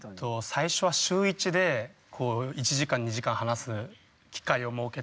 最初は週一で１時間２時間話す機会を設けて。